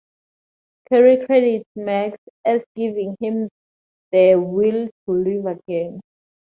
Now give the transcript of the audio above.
Kerry credits Max as giving him the will to live again.